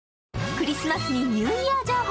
クリスマスにニューイヤー情報。